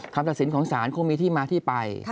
คำตัดสินของศาลคงมีที่มาที่ไป